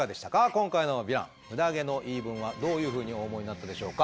今回のヴィランムダ毛の言い分はどういうふうにお思いになったでしょうか？